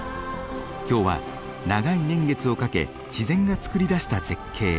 今日は長い年月をかけ自然がつくり出した絶景